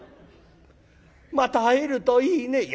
また会えるといいね」。